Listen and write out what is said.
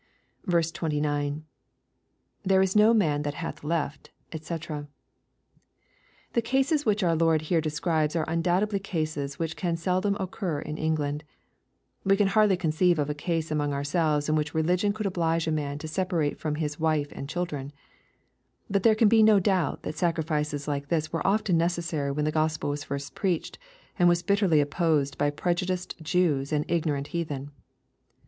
29. — [There is no man that Jiaih hftj dbe.'] The cases which our Lord hero describes are undoubtedly cases which can seldom occur in England. We can hardly conceive a case among ourselves in which religion could oblige a man to separate from his '^ wife and children." But there can be no doubt that sacrifices like this were often necessary when the Gk)spel was first preached, and was bitterly opposed by prejudiced Jews and ignorant heathen.